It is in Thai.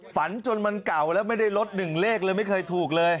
ฝันจนมันเก่าแล้วไม่ได้ลดหนึ่งเลขเลยไม่เคยถูกเลย